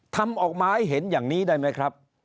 ทำออกมาให้เห็นอย่างนี้ได้ไหมครับ